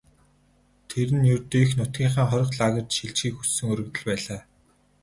Тэр нь ердөө эх нутгийнхаа хорих лагерьт шилжихийг хүссэн өргөдөл байлаа.